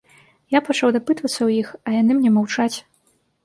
Я пачаў дапытвацца ў іх, а яны мне маўчаць.